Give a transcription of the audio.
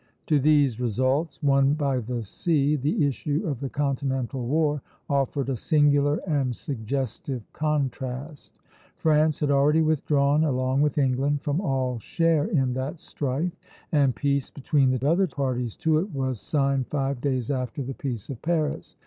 To these results, won by the sea, the issue of the continental war offered a singular and suggestive contrast. France had already withdrawn, along with England, from all share in that strife, and peace between the other parties to it was signed five days after the Peace of Paris.